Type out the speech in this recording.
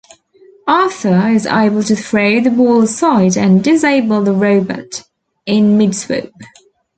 Arthur is able to throw the ball aside and disable the robot in mid-swoop.